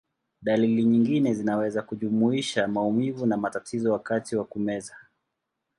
Dalili nyingine zinaweza kujumuisha maumivu na matatizo wakati wa kumeza.